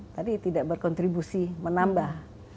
tadi tidak berkontribusi menambah